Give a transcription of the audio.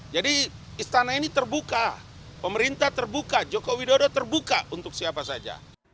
jadi istana ini terbuka pemerintah terbuka joko widodo terbuka untuk siapa saja